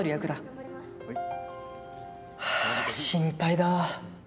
はあ心配だ。